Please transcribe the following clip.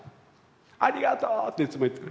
「ありがとう！」っていつも言ってる。